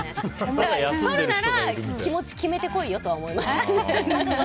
だから、取るなら気持ち決めて来いよと思います。